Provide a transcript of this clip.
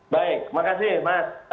baik makasih mas